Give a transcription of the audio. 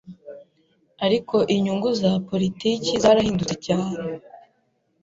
ariko inyungu za politiki zarahindutse cyane